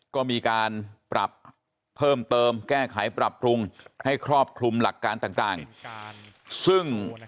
ก็มีการปรับเพิ่มเติมแก้ไขปรับปรุงให้ครอบคลุมหลักการต่างซึ่ง